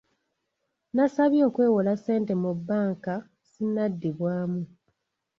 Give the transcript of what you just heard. Nasabye okwewola ssente mu bbanka sinnaddibwamu.